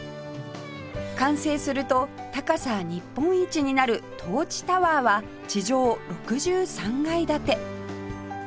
完成すると高さ日本一になるトーチタワーは地上６３階建て